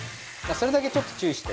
それだけちょっと注意して。